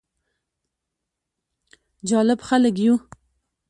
جالب خلک يو: